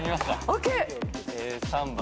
ＯＫ！